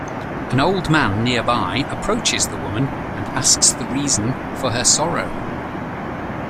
An old man nearby approaches the woman and asks the reason for her sorrow.